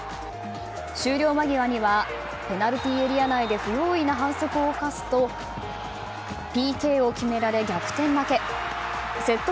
終了間際にはペナルティーエリア内で不用意な反則を犯すとＰＫを決められ逆転負け。